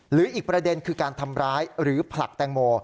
หรืออีกประเด็นคือการทำร้ายหรือผลักแตงโม